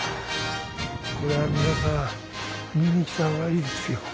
これは皆さん見にきたほうがいいですよ。